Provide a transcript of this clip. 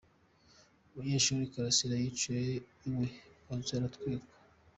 Umunyeshuri Kalasira yiciwe iwe mu nzu aranatwikwa